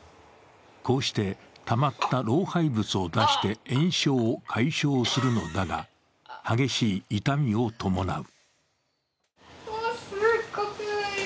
こうして、たまった老廃物を出して炎症を解消するのだが激しい痛みを伴う。